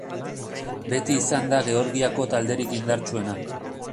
Beti izan da Georgiako talderik indartsuena.